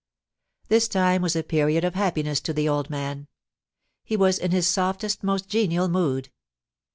This time was a period of happiness to the old man. He was in his softest, most genial mood.